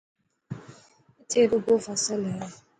اٿي رڳو فصل هي.